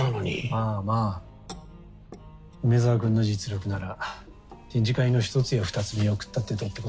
まあまあ梅沢君の実力なら展示会の１つや２つ見送ったってどうってことないさ。